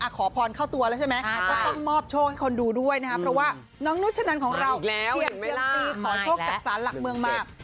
ขอพรเข้าตัวแล้วใช่ไหมก็ต้องมอบโชคให้คนดูด้วยนะครับเพราะว่าน้องนุชนันของเราเสี่ยงเซียมซีขอโชคจากสารหลักเมืองมา